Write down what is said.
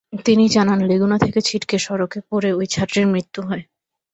তিনি জানান, লেগুনা থেকে ছিটকে সড়কে পড়ে ওই ছাত্রীর মৃত্যু হয়।